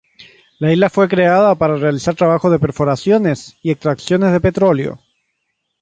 La isla fue creada para realizar trabajos de perforaciones y extracciones de petróleo.